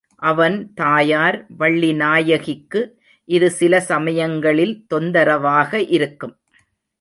அவன் தாயார் வள்ளிநாயகிக்கு இது சில சமயங்களில் தொந்தரவாக இருக்கும்.